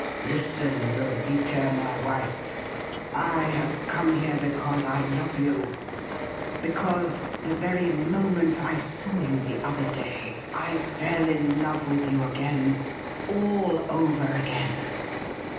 Listen, Rosita, my wife. I have come here because I love you ; because the very moment I saw you the other day I fell in love with you again — all over again.